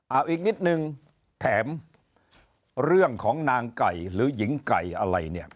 เอาอีกนิดนึงแถมเรื่องของนางไก่หรือหญิงไก่อะไรเนี่ย